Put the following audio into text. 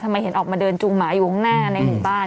เห็นออกมาเดินจูงหมาอยู่ข้างหน้าในหมู่บ้าน